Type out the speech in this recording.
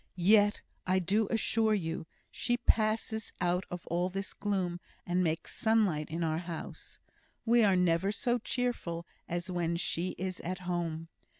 Yet, I do assure you, she passes out of all this gloom, and makes sunlight in our house. We are never so cheerful as when she is at home.